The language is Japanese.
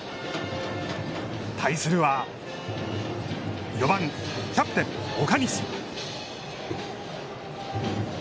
対するは４番キャプテン岡西。